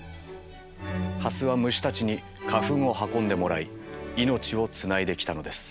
ハスは虫たちに花粉を運んでもらい命をつないできたのです。